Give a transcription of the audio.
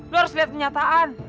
lo harus liat kenyataan